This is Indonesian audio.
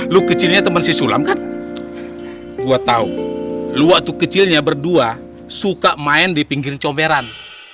lu kecilnya teman si sulam kan gua tahu lu waktu kecilnya berdua suka main di pinggir comberan